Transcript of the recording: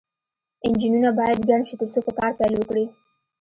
انجنونه باید ګرم شي ترڅو په کار پیل وکړي